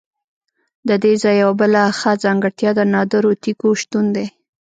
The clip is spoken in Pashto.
ددې ځای یوه بله ښه ځانګړتیا د نادرو تیږو شتون دی.